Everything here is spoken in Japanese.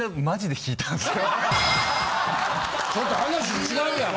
ちょっと話違うやんか。